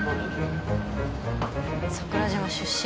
「桜島出身」。